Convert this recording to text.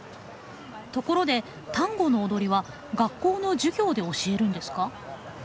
ところでタンゴの踊りは学校の授業で教えるんですか？